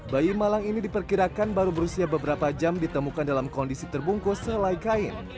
bayi malang ini diperkirakan baru berusia beberapa jam ditemukan dalam kondisi terbungkus selai kain